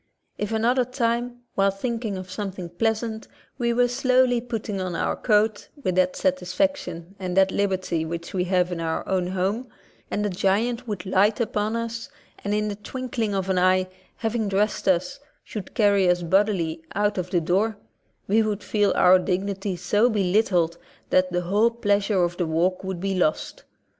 If another time, while thinking of something pleasant, we were slowly putting on our coat with that satisfaction and that liberty which we have in our own home, and a giant should light upon us, and in the twinkling of an eye, having dressed us, should carry us bodily out of the door, we would feel our dignity so belittled that the whole pleas ure of the walk would be lost.